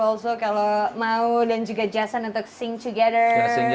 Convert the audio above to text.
also kalau mau dan juga jason untuk sing together